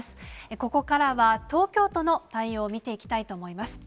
ここからは東京都の対応を見ていきたいと思います。